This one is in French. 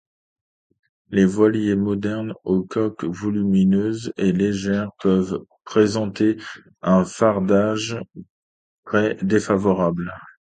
Les voiliers modernes, aux coques volumineuses et légères, peuvent présenter un fardage très défavorable.